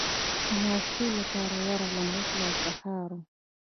د ناشتې لپاره ورغلم، اوس لا سهار و.